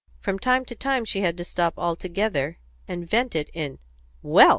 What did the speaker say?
From time to time she had to stop altogether, and vent it in "Wells!"